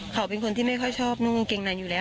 เขาเป็นคนที่ไม่ค่อยชอบนุ่งกางเกงในอยู่แล้ว